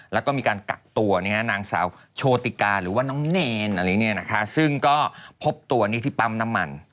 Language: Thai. แล้วก็มีการกักตัวนางสาวโชติกาหรือว่าน้องเนรอะไรเนี่ยนะคะซึ่งก็พบตัวนี้ที่ปั๊มน้ำมัน